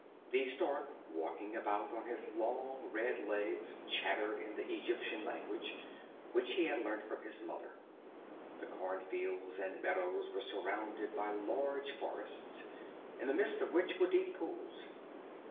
The stork walking about on his long red legs chattered in the Egyptian language, which he had learnt from his mother. The corn fields and meadows were surrounded by large forests, in the midst of which were deep pools.